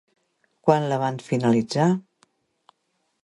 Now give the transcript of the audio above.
Quan la van finalitzar?